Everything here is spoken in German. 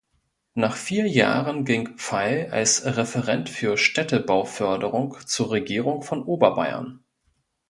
Nach vier Jahren ging Pfeil als Referent für Städtebauförderung zur Regierung von Oberbayern.